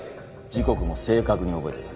時刻も正確に覚えてる。